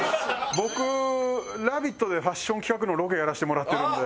僕『ラヴィット！』でファッション企画のロケやらせてもらってるんで。